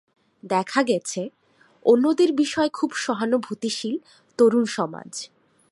দেখা গেছে, অন্যদের বিষয়ে খুবই সহানুভূতিশীল তরুণ সমাজ।